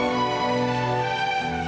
tentang apa yang kamu lakukan